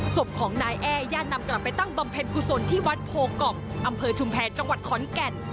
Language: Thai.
ศพของนายแอร์ญาตินำกลับไปตั้งบำเพ็ญกุศลที่วัดโพกองอำเภอชุมแพรจังหวัดขอนแก่น